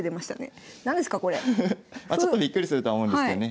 まあちょっとびっくりするとは思うんですけどね。